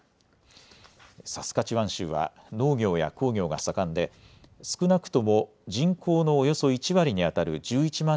サスカチワン州は農業や鉱業が盛んで少なくとも人口のおよそ１割にあたる１１万